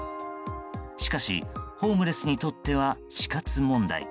しかし、ホームレスにとっては死活問題。